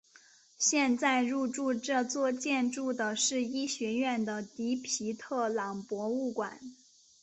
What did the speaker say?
现在入驻这座建筑的是医学院的迪皮特朗博物馆。